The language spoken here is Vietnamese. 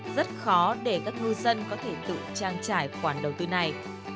rất khó để các ngư dân có thể tự trang trải khoản đầu tư này